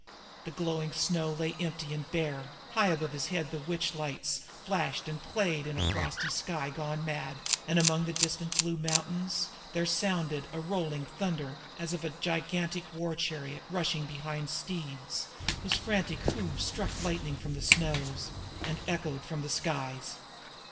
The glowing snow lay empty and bare; high above him the witch lights flashed and played in a frosty sky gone mad, and among the distant blue mountains there sounded a rolling thunder as of a gigantic war chariot rushing behind steeds whose frantic hoofs struck lightning from the snows and echoes from the skies.